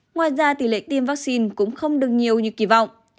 ngoài ra tỷ lệ tiêm vaccine cũng không được nhiều như kỳ vọng